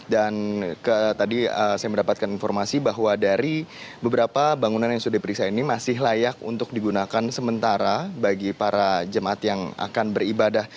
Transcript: tadi saya mendapatkan informasi bahwa dari beberapa bangunan yang sudah diperiksa ini masih layak untuk digunakan sementara bagi para jemaat yang akan beribadah